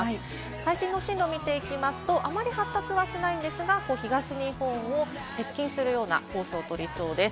最新の進路を見ていきますとあまり発達しないですが、東日本を通るようなコースになりそうです。